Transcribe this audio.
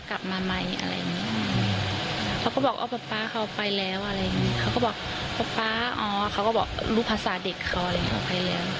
เขาก็บอกรู้ภาษาเด็กเขารู้ภาษาเด็กเขา